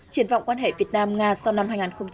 triển vọng quan hệ việt nam nga sau năm hai nghìn một mươi chín